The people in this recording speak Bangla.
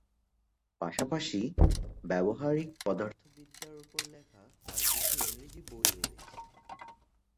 পাশাপাশি ব্যবহারিক পদার্থবিদ্যার উপর লেখা তার কিছু ইংরেজি বই রয়েছে।